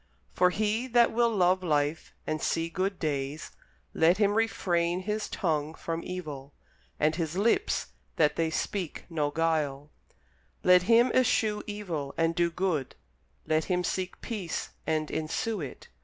For he that will love life, and see good days, let him refrain his tongue from evil, and his lips that they speak no guile: Let him eschew evil, and do good; let him seek peace and ensue it.